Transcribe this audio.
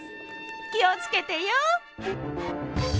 気を付けてよ！